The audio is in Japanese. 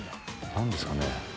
何ですかね？